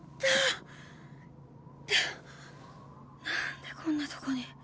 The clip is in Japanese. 何でこんなとこに。